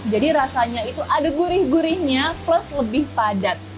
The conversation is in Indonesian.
jadi rasanya itu ada gurih gurihnya plus lebih padat